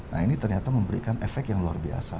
nah ini ternyata memberikan efek yang luar biasa